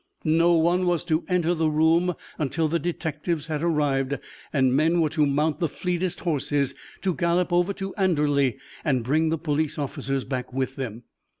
No one was to enter the room until the detectives had arrived, and men were to mount the fleetest horses, to gallop over to Anderley, and bring the police officers back with them.